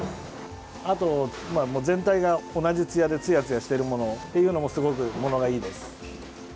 あと、全体が同じつやでつやつやしているものもすごく、ものがいいです。